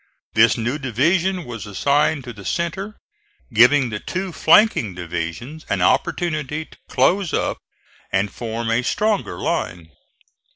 This new division was assigned to the centre, giving the two flanking divisions an opportunity to close up and form a stronger line.